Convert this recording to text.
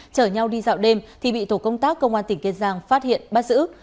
chở nhau đi dạo đêm thì bị tổ công tác công an tỉnh kiên giang phát hiện bắt giữ